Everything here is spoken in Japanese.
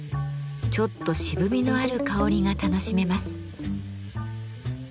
ちょっと渋みのある香りが楽しめます。